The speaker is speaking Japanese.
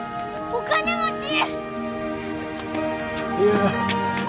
お金持ち！